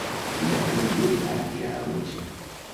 Divendres en Julià irà al metge.